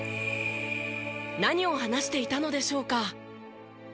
何を話していたのでしょうか？